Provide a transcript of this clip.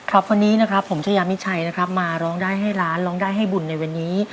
ครับวันนี้นะครับผมชายามิชัยนะครับมาร้องได้ให้ร้านร้องได้ให้บุญในวันนี้